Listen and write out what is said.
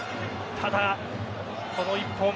ただ、この１本。